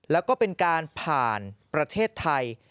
แล้วก็เป็นการผ่านประเทศไทย